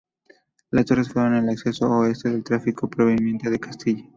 Las torres fueron el acceso oeste del tráfico proveniente de Castilla.